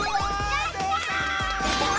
やった！